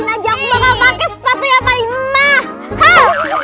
nah jakob bakal pake sepatunya paling mahal